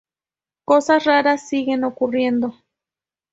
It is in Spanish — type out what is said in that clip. Cosas raras siguen ocurriendo.